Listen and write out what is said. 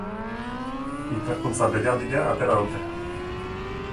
Ikerkuntza-deialdia atera dute.